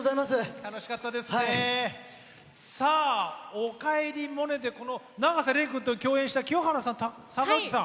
「おかえりモネ」で永瀬廉君と共演した清原さん、坂口さん